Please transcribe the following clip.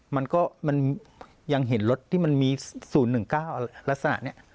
มันก็มันยังเห็นรถที่มันมี๐๑๙ลักษณะนี้